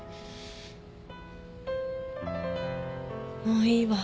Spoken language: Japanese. もういいわ。